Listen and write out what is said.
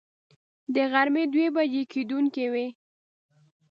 د غرمې دوه بجې کېدونکې وې.